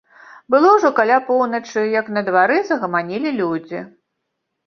Было ўжо каля поўначы, як на двары загаманілі людзі.